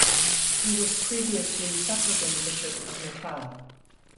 He was previously Suffragan Bishop of Natal.